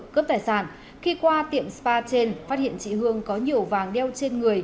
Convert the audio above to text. cướp tài sản khi qua tiệm spa trên phát hiện chị hương có nhiều vàng đeo trên người